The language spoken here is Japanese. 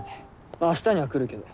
まあ明日には来るけど。